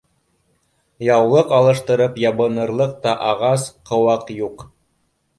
Яулыҡ алыштырып ябыныр- лыҡ та ағас-ҡыуаҡ юҡ